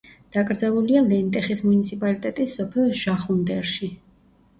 დაკრძალულია ლენტეხის მუნიციპალიტეტის სოფელ ჟახუნდერში.